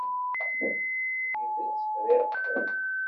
Deg tidet, riɣ-kem.